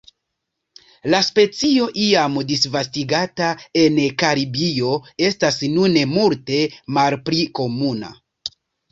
La specio, iam disvastigata en Karibio, estas nune multe malpli komuna.